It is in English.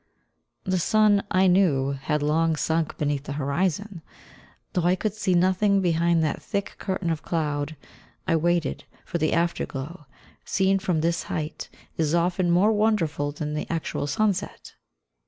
The sun, I knew, had long sunk beneath the horizon. Though I could see nothing behind that thick curtain of cloud, I waited, for the after glow, seen from this height, is often more wonderful than the actual sunset.